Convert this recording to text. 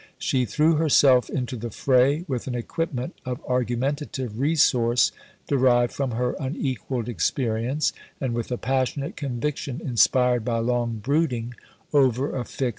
She threw herself into the fray with an equipment of argumentative resource derived from her unequalled experience, and with a passionate conviction inspired by long brooding over a fixed ideal.